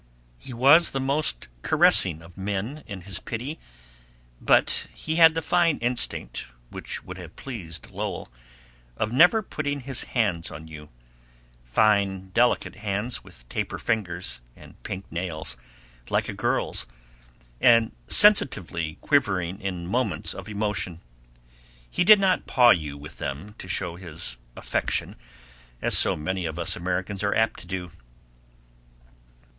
IX. He was the most caressing of men in his pity, but he had the fine instinct, which would have pleased Lowell, of never putting his hands on you fine, delicate hands, with taper fingers, and pink nails, like a girl's, and sensitively quivering in moments of emotion; he did not paw you with them to show his affection, as so many of us Americans are apt to do.